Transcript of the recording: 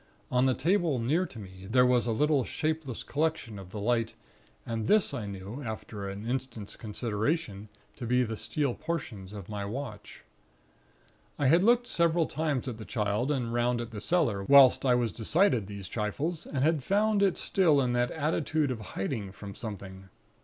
On the table, near to me, there was a little shapeless collection of the light; and this I knew, after an instant's consideration, to be the steel portions of my watch. "I had looked several times at the Child, and 'round at the cellar, whilst I was decided these trifles; and had found it still in that attitude of hiding from something.